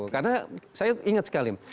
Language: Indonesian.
karena saya ingat sekali